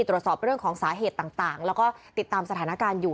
ตรวจสอบเรื่องของสาเหตุต่างแล้วก็ติดตามสถานการณ์อยู่